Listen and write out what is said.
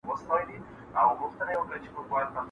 د دوست سره دوستي، د ښمن سره مدارا.